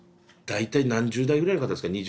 大体何十代ぐらいの方ですか。